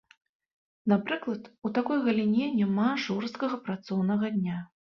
Напрыклад, у такой галіне няма жорсткага працоўнага дня.